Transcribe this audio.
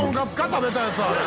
食べたやつあれ」